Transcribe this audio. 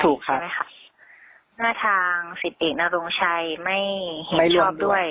ถูกครับใช่ไหมครับหน้าทางสิทธิเอกนรงชัยไม่เห็นชอบด้วย